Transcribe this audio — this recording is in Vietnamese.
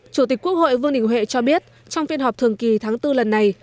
chủ tịch quốc hội vương đình huệ cho biết trong phiên họp thường kỳ tháng bốn lần này